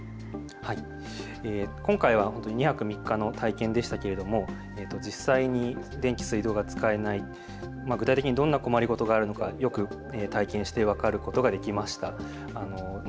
今回は２泊３日の体験でしたけれども実際に電気、水道が使えない、具体的にどんな困り事があるのか、体験して分かることができました。